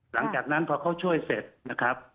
หลังจากนั้นพอเขาช่วยเสร็จ